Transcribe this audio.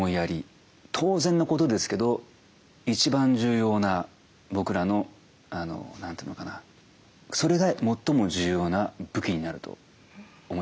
当然のことですけど一番重要な僕らの何て言うのかなそれが最も重要な武器になると思いました。